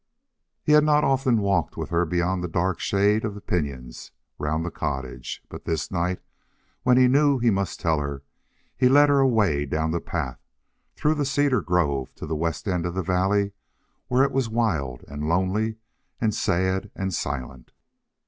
He had not often walked with her beyond the dark shade of the pinyons round the cottage, but this night, when he knew he must tell her, he led her away down the path, through the cedar grove to the west end of the valley where it was wild and lonely and sad and silent.